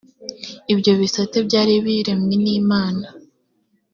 ibyo bisate byari biremwe n’imana